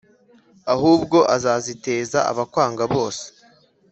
ahubwo azaziteza abakwanga bose.